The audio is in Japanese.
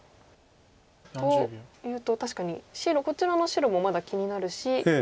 というと確かにこちらの白もまだ気になるし。